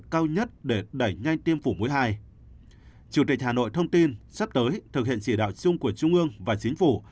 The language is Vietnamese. chủ tịch hà nội thông tin sắp tới thực hiện chỉ đạo chung của trung ương và chính phủ